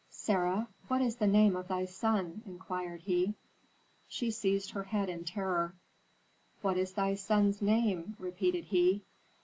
"Sarah, what is the name of thy son?" inquired he. She seized her head in terror. "What is thy son's name?" repeated he.